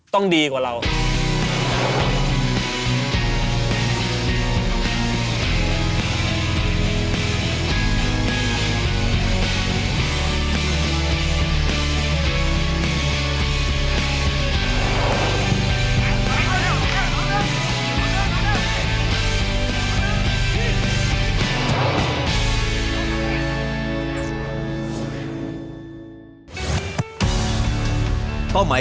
ต้องดีกว่าเรา